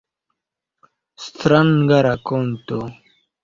Stranga rakonto.